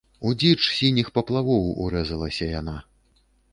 У дзіч сініх паплавоў урэзалася яна.